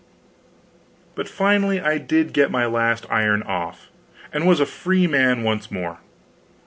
But finally I did get my last iron off, and was a free man once more.